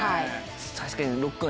確かに。